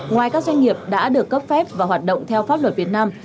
ngoài các doanh nghiệp đã được cấp phép và hoạt động theo pháp luật việt nam